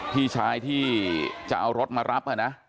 พี่ชายที่จะเอารถมารับนะ